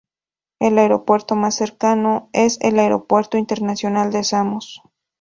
El aeropuerto más cercano es el Aeropuerto Internacional de Samos.